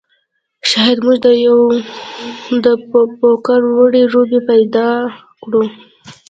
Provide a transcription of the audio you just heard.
شاید موږ د پوکر وړې لوبې پیدا کړو